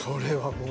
もう。